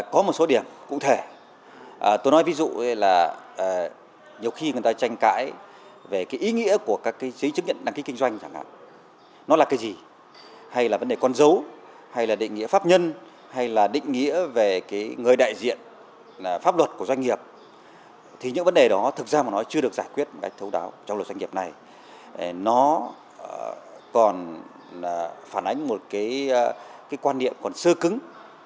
cái thấu đáo trong luật doanh nghiệp này nó còn phản ánh một cái quan niệm còn sơ cứng